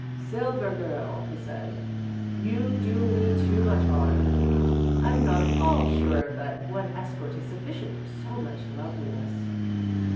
"Silver Girl," he said, "you do me too much honour. I'm not at all sure that one escort is sufficient for so much loveliness."